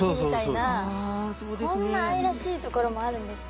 こんな愛らしいところもあるんですね。